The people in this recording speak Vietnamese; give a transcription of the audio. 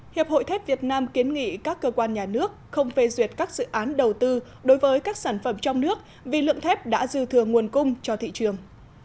hiệp hội thép việt nam kiến nghị các cơ quan nhà nước không phê duyệt các dự án đầu tư đối với các sản phẩm trong nước vì lượng thép đã dư thừa nguồn cung cho thị trường